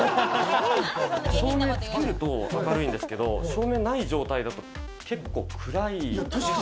照明つけると明るいんですけど、照明ない状態だと結構暗い。